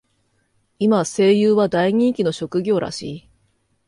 今、声優は大人気の職業らしい。